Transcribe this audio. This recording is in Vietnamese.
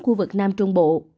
khu vực nam trung bộ